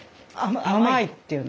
「甘い！」って言うの。